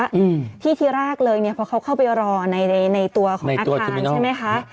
อืมที่ที่แรกเลยเนี้ยเพราะเขาเข้าไปรอในในตัวของอาคารใช่ไหมคะ